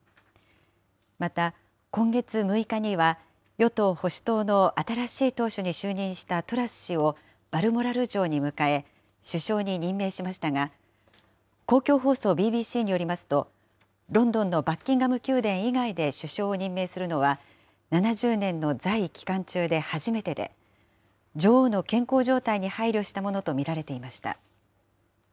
また、今月６日には、与党・保守党の新しい党首に就任したトラス氏を、バルモラル城に迎え、首相に任命しましたが、公共放送ＢＢＣによりますと、ロンドンのバッキンガム宮殿以外で首相を任命するのは７０年の在位期間中で初めてで、女王の健康状態に配慮したものとみられていました。